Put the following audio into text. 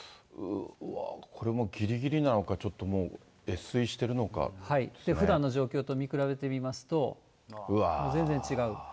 これもぎりぎりなのか、ちょっとふだんの状況と見比べてみますと、全然違う。